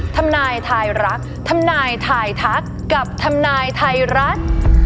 ธำนายถ่ายรักธำนายถ่ายทักกับธำนายถ่ายรัก